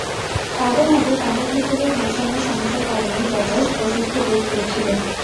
তাঁদের মতে, কানের ভেতরের ভারসাম্যের সমস্যার কারণেই রজার্স অসুস্থ বোধ করছিলেন।